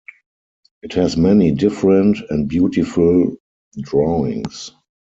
It has many different and beautiful drawings.